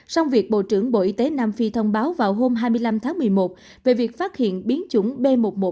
sau việc bộ trưởng bộ y tế nam phi thông báo vào hôm hai mươi năm tháng một mươi một về việc phát hiện biến chủng b một một năm trăm hai mươi chín